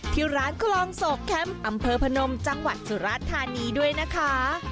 ที่ร้านคลองโศกแคมป์อำเภอพนมจังหวัดสุราธานีด้วยนะคะ